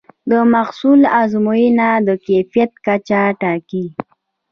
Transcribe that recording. د محصول ازموینه د کیفیت کچه ټاکي.